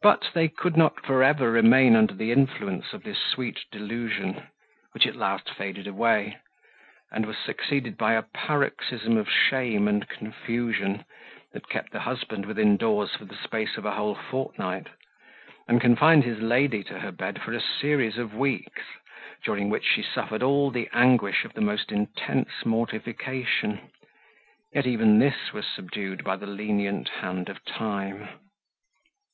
But they could not for ever remain under the influence of this sweet delusion, which at last faded away, and was succeeded by a paroxysm of shame and confusion, that kept the husband within doors for the space of a whole fortnight, and confined his lady to her bed for a series of weeks, during which she suffered all the anguish of the most intense mortification; yet even this was subdued by the lenient hand of time.